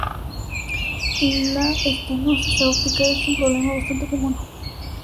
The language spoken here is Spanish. La estenosis aórtica es un problema bastante común.